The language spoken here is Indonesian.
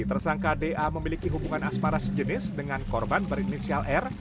tersangka da memiliki hubungan asmara sejenis dengan korban berinisial r